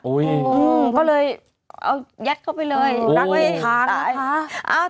โอ้โหก็เลยเอายัดเข้าไปเลยรักอย่างท้าย